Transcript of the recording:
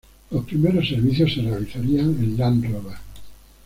Los primeros servicios se realizarían en Land-Rover.